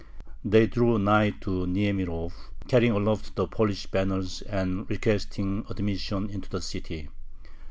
They drew nigh to Niemirov, carrying aloft the Polish banners and requesting admission into the city.